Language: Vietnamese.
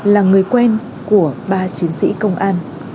là người quen của ba chiến sĩ công an